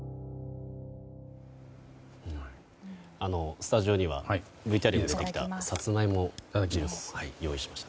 スタジオにはＶＴＲにも出てきたさつまいも汁粉を用意しました。